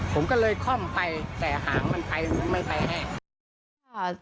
ผมก็เลยค่อมไปแต่หางมันไปไม่ไปแห้ง